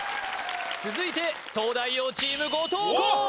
続いて東大王チーム後藤弘